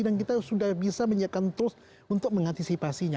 dan kita sudah bisa menyiapkan tools untuk mengantisipasinya